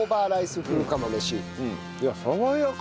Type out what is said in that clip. いや爽やか。